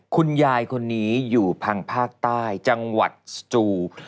คุณยายคนนี้อยู่ทางภาคใต้จังหวัดสตู